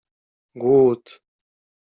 GŁÓD